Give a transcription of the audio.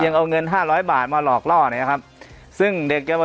เอาเงินห้าร้อยบาทมาหลอกล่อเนี้ยครับซึ่งเด็กแกมา